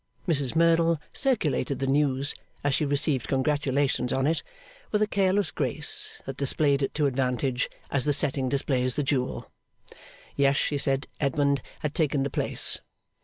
Mrs Merdle circulated the news, as she received congratulations on it, with a careless grace that displayed it to advantage, as the setting displays the jewel. Yes, she said, Edmund had taken the place.